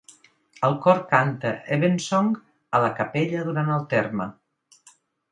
El cor canta Evensong a la capella durant el terme.